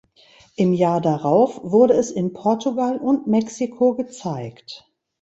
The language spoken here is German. Im Jahr darauf wurde es in Portugal und Mexiko gezeigt.